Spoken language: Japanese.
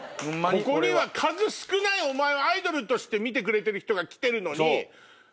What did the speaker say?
ここには数少ないお前をアイドルとして見てくれてる人が来てるのに。